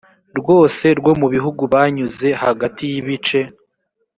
rwose rwo mu gihugu banyuze hagati y ibice